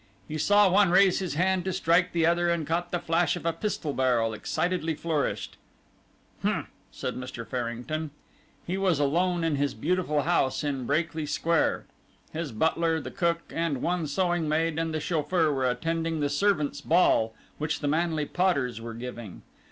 He saw one raise his hand to strike the other and caught the flash of a pistol barrel excitedly flourished. "Humph!" said Mr. Farrington. He was alone in his beautiful house in Brakely Square. His butler, the cook, and one sewing maid and the chauffeur were attending the servants' ball which the Manley Potters were giving.